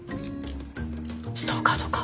ストーカーとか？